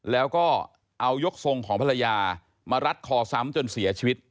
แล้วก็เอายกทรงของภรรยามารัดคอซ้ำจนเสียชีวิต